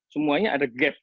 semuanya ada gap